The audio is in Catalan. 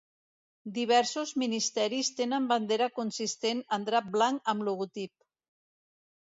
Diversos ministeris tenen bandera consistent en drap blanc amb logotip.